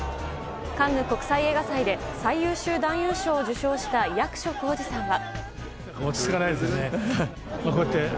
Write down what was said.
カンヌ国際映画祭で最優秀男優賞を受賞した役所広司さんは。